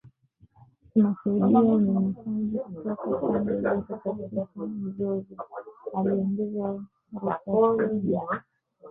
“Tunashuhudia unyanyasaji kutoka pande zote katika mzozo” aliongeza Rutashobya